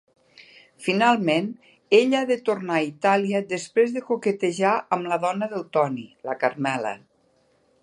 Finalment, ell ha de tornar a Itàlia després de coquetejar amb la dona del Tony, la Carmela.